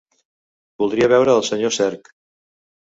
Voldria veure el senyor Cerc.